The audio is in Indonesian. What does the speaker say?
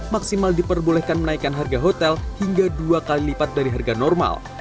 maksimal diperbolehkan menaikkan harga hotel hingga dua kali lipat dari harga normal